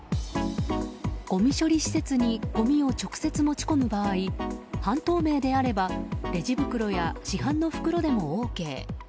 ごみ処理施設にごみを直接持ち込む場合半透明であればレジ袋や市販の袋でもＯＫ。